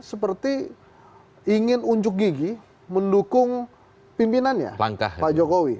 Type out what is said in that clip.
seperti ingin unjuk gigi mendukung pimpinannya pak jokowi